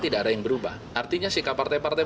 tidak ada yang berubah artinya sikap partai partai